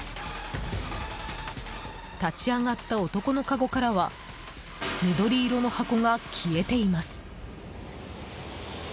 立ち上がった男のかごからは緑色の箱が消えています。